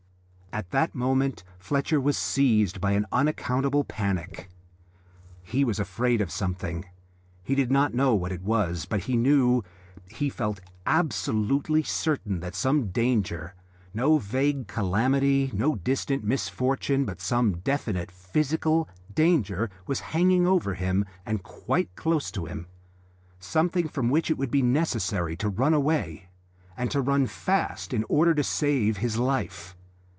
At that moment Fletcher was seized by an unaccountable panic. He was afraid of something; he did not know what it was, but he knew, he felt absolutely certain, that some danger, no vague calamity, no distant misfortune, but some definite physical danger was hanging over him and quite close to him something from which it would be necessary to run away, and to run fast in order to save his life.